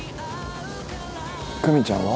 久美ちゃんは？